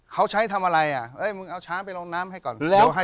เขาเอาช้างไปลองน้ำให้ก่อน